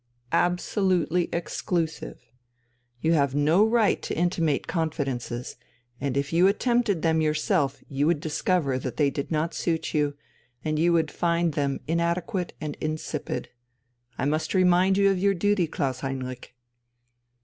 Absolutely exclusive. You have no right to intimate confidences, and if you attempted them you yourself would discover that they did not suit you, would find them inadequate and insipid. I must remind you of your duty, Klaus Heinrich."